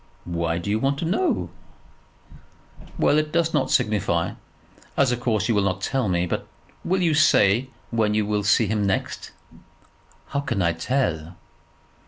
"Why do you want to know?" "Well, it does not signify, as of course you will not tell me. But will you say when you will see him next?" "How can I tell?"